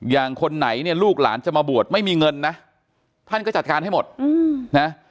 คนไหนเนี่ยลูกหลานจะมาบวชไม่มีเงินนะท่านก็จัดการให้หมดนะ